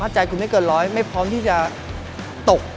ใจคุณไม่เกินร้อยไม่พร้อมที่จะตก